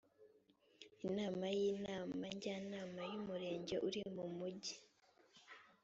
inama y inama njyanama y umurenge uri mu mumujyi